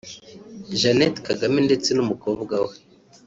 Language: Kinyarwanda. Jeannette Kagame ndetse n’umukobwa we